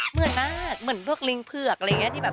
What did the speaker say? เหมือนมากเหมือนพวกลิงเผือกอะไรอย่างนี้ที่แบบ